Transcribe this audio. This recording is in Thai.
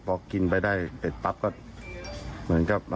พอกินไปได้แต่ปั๊บเหมือนครับ